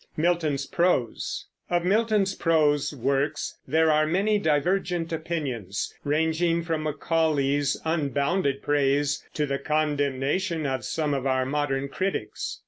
MILTON'S PROSE. Of Milton's prose works there are many divergent opinions, ranging from Macaulay's unbounded praise to the condemnation of some of our modern critics.